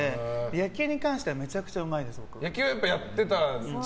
野球に関してはめちゃくちゃうまいです、僕。